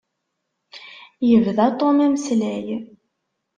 Yebda Tom ameslay.